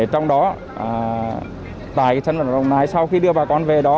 trong đó tại sân vận động đồng nai sau khi đưa bà con về đó